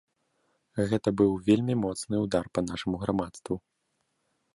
Гэта быў вельмі моцны ўдар па нашаму грамадству.